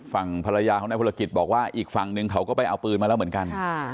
ฝั่งภรรยาของนายพลกิจบอกว่าอีกฝั่งนึงเขาก็ไปเอาปืนมาแล้วเหมือนกัน